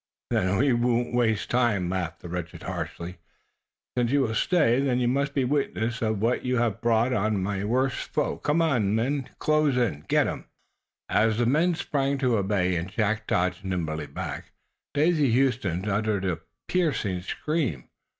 "Then we won't waste more time," laughed the wretch, harshly. "Since you will stay, then you must be a witness of what you have brought on my worst foe! Close in, men get him!" As the men sprang to obey, and Jack dodged nimbly back, Daisy Huston uttered a piercing scream.